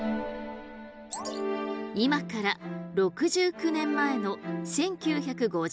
今から６９年前の１９５２年。